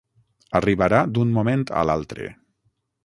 Arribarà d'un moment a l'altre.